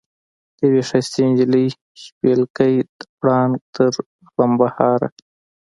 د یوې ښایستې نجلۍ شپېلکی د پړانګ تر غړمبهاره.